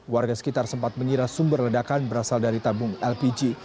warga sekitar sempat mengira sumber ledakan berasal dari tabung lpg